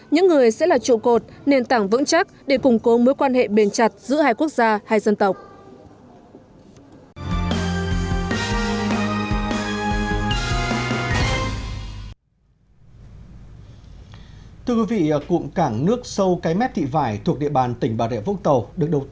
những người sẽ là trụ cột nền tảng vững chắc để củng cố mối quan hệ bền chặt giữa hai quốc gia hai dân tộc